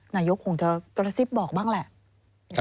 นายกคงจะกระซิบบอกบ้างแหละ